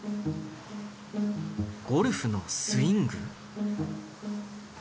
ゴルフのスイング？